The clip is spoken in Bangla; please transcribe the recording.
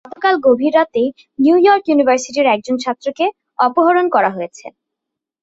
গতকাল গভীর রাতে নিউইয়র্ক ইউনিভার্সিটির একজন ছাত্রকে অপহরণ করা হয়েছে।